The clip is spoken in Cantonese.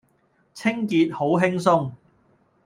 清潔好輕鬆